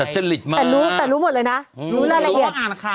แต่รู้แต่รู้หมดเลยนะรู้รายละเอียด